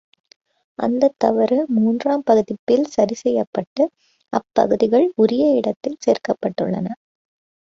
அந்தத் தவறு மூன்றாம் பதிப்பில் சரிசெய்யப்பட்டு, அப்பகுதிகள் உரிய இடத்தில் சேர்க்கப்பட்டுள்ளன.